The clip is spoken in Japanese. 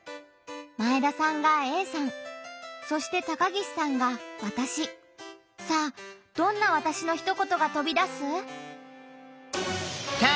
前田さんが「Ａさん」そして高岸さんが「わたし」。さあどんな「わたし」のひと言がとび出す？